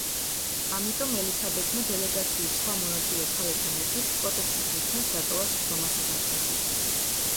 ამიტომ ელისაბედმა დელეგაციის სხვა მონაწილე ქალებთან ერთად პროტესტის ნიშნად დატოვა სხდომათა დარბაზი.